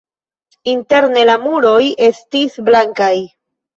Interne la muroj estis blankaj.